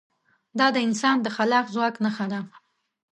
دا د انسان د خلاق ځواک نښه ده.